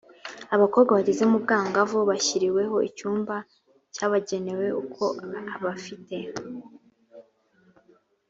abakobwa bageze mu bwangavu bashyiriweho icyumba cyabagenewe uko abafite